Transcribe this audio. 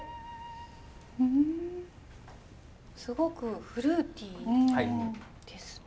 すごくフルーティーですね。